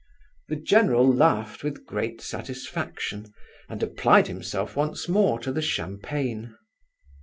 The general laughed with great satisfaction, and applied himself once more to the champagne.